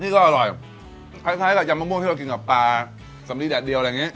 นี่ก็อร่อยคล้ายกับยำมะม่วงที่เรากินกับปลาสำลีแดดเดียวอะไรอย่างนี้